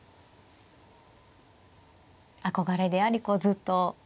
憧れでありこうずっと。